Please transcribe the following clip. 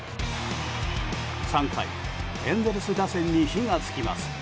３回、エンゼルス打線に火が付きます。